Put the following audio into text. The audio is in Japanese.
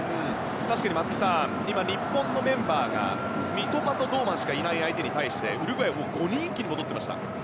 確かに松木さん今、日本のメンバーが三笘と堂安しかいないのに対しウルグアイは５人一気に戻っていました。